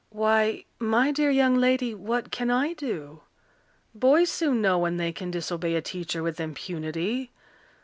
"Why, my dear young lady, what can I do? Boys soon know when they can disobey a teacher with impunity.